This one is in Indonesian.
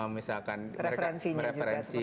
misalkan mereka referensi